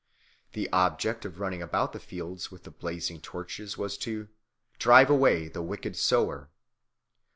The object of running about the fields with the blazing torches was to "drive away the wicked sower."